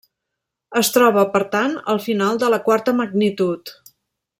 Es troba, per tant, al final de la quarta magnitud.